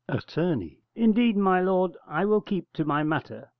Att. Indeed, my lord, I will keep to my matter.